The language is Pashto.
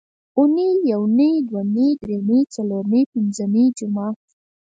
اونۍ یونۍ دونۍ درېنۍ څلورنۍ پینځنۍ جمعه